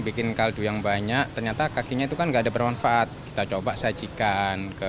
bikin kaldu yang banyak ternyata kakinya itu kan enggak ada bermanfaat kita coba sajikan ke